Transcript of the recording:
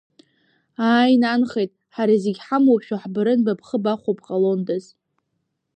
Ааи, нанхеит, ҳара зегьы ҳамоушәа ҳбарын ба бхы бахәо бҟалондаз…